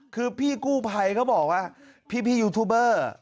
คือพี่กู้ภัยเขาบอกว่าพี่ยูทูบเบอร์